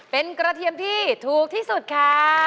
เป็นกระเทียมที่ถูกที่สุดค่ะ